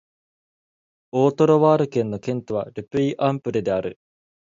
オート＝ロワール県の県都はル・ピュイ＝アン＝ヴレである